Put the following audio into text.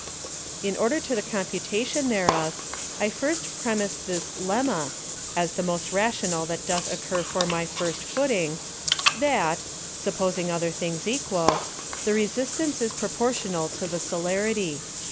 3. In order to the Computation hereof, I first premise this Lemma, (as the most rational that doth occur for my first footing,) That (supposing other things equal) the Resistance is proportional to the Celerity.